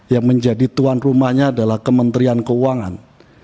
yang menjadi tuan rumahnya adalah kementerian keuangan